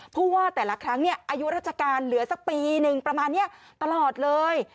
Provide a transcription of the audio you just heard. ผู้ว่าแต่ละครั้งอายุราชการเหลือสักปีหนึ่งประมาณนี้ตลอดเลย